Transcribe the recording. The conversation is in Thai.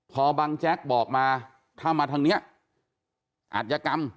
พอบังแจ๊กบอกมาถ้ามาทางนี้อาจยกรรม